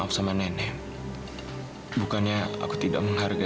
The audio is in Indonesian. punya udah vep